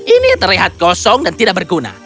ini terlihat kosong dan tidak berguna